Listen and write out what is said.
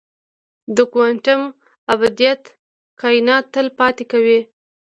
د کوانټم ابدیت کائنات تل پاتې کوي.